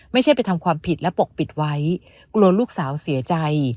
ไม่ใช่ไปทำความผิดและปกปิดไว้กลัวลูกสาวเสียใจ